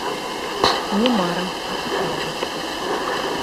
Не марам, а сапраўднасці.